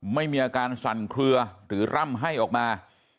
ไม่มีอาการสั่นเคลือหรือร่ำให้ออกมา